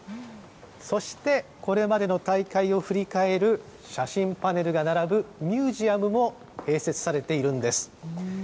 そして、これまでの大会を振り返る写真パネルが並ぶ、ミュージアムも併設されているんです。